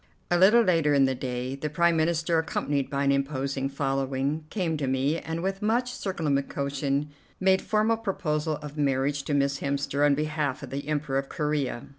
A little later in the day, the Prime Minister, accompanied by an imposing following, came to me, and with much circumlocution made formal proposal of marriage to Miss Hemster on behalf of the Emperor of Corea.